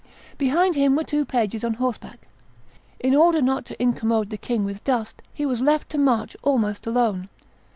Behind him were two pages on horseback. In order not to incommode the king with dust, he was left to march almost alone.